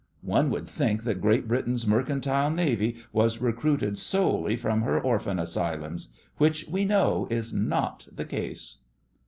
One would think that Great Britain's mercantile navy was recruited solely from her orphan asylums — which we know is not the case.